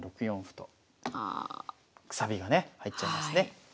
６四歩とくさびがね入っちゃいますね。